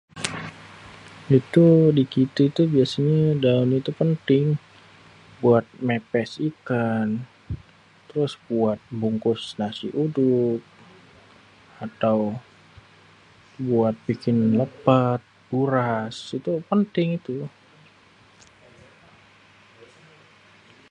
Itu dikitê itu biasenyê daun itu penting buat mépés ikan, trus buat bungkus nasi uduk atau buat bikin lêpêt, buras itu pénting itu.